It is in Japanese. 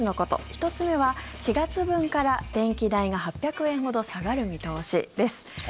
１つ目は４月分から電気代が８００円ほど下がる見通しです。